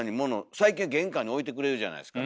最近玄関に置いてくれるじゃないですか。